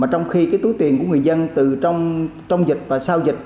trong khi túi tiền của người dân từ trong dịch và sau dịch